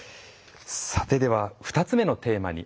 さてでは２つ目のテーマに。